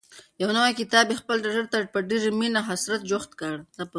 یو نوی کتاب یې خپل ټټر ته په ډېرې مینې او حسرت جوخت کړ.